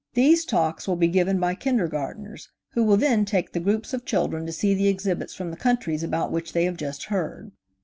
These talks will be given by kindergartners, who will then take the groups of children to see the exhibits from the countries about which they have just heard.